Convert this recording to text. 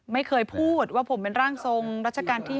ไม่เคยพูดว่าผมเป็นร่างทรงรัชกาลที่๙